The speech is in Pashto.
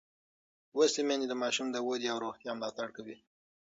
لوستې میندې د ماشوم د ودې او روغتیا ملاتړ کوي.